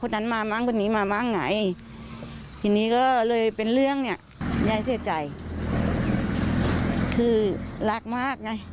ทีนี้พี่ก็เลยก็เลยเป็นเรื่องเนี่ยยายเทรจ่ายคือหลากมาก